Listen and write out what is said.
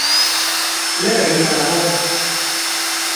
Leher eginda nago!